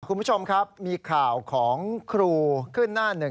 คุณผู้ชมครับมีข่าวของครูขึ้นหน้าหนึ่ง